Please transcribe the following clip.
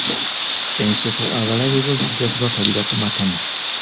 Enseko abalabe bo zijja kubakalira ku matama.